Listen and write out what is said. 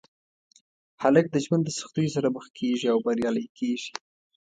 هلک د ژوند د سختیو سره مخ کېږي او بریالی کېږي.